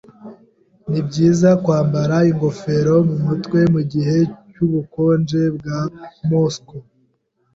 Nibyiza kwambara ingofero mumutwe mugihe cyubukonje bwa Moscou.